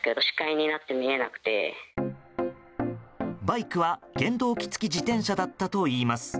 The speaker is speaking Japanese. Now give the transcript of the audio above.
バイクは原動機付自転車だったといいます。